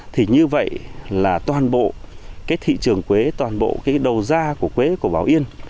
thì như vậy là toàn bộ cái thị trường quế toàn bộ cái đầu ra của quế của bảo yên